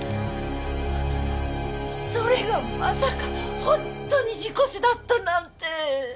それがまさか本当に事故死だったなんて。